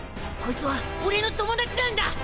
こいつは俺の友達なんだ！